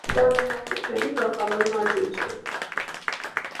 Ծանրամարտիկների գլխավոր մարզիչը։